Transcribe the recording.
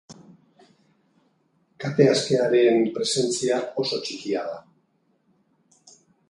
Kate askearen presentzia oso txikia da.